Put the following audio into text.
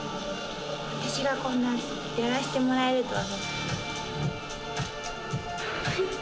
私がこんなやらしてもらえるとは。